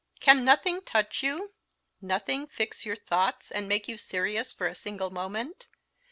Can nothing touch you? nothing fix your thoughts, and make you serious for a single moment?